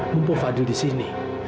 mumpung fadil di sini